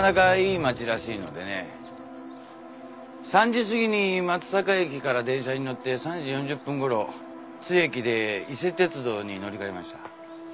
３時過ぎに松阪駅から電車に乗って３時４０分頃津駅で伊勢鉄道に乗り換えました。